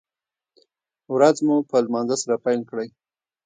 ورځ مو په لمانځه سره پیل کړئ